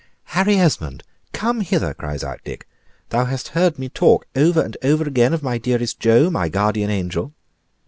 "Harry Esmond, come hither," cries out Dick. "Thou hast heard me talk over and over again of my dearest Joe, my guardian angel?"